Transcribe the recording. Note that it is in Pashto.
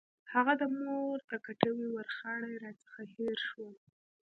هغه د مور د کټوۍ ورخاړي راڅخه هېر شول.